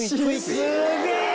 すげえ！